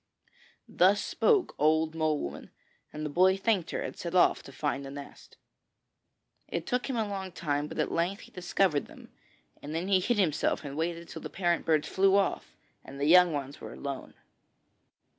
Thus spoke Old Mole woman, and the boy thanked her and set off to find the nests. It took him a long time, but at length he discovered them; then he hid himself and waited till the parent birds flew off and the young ones were alone.